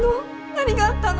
何があったの？